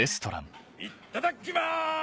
いっただっきます！